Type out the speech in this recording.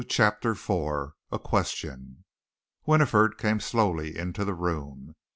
CHAPTER IV A QUESTION Winifred came slowly into the room.